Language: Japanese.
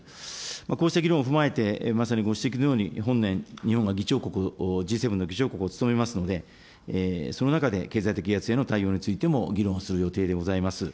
こうした議論を踏まえて、まさにご指摘のように、本年、日本は議長国を、Ｇ７の議長国を務めますので、その中で経済的威圧への対応についても、議論をする予定でございます。